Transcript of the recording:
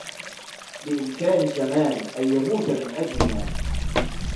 بإمكان جمال أن يموت من أجلها.